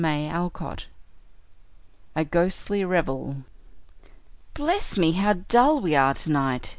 Chapter VII A GHOSTLY REVEL "Bless me, how dull we are tonight!"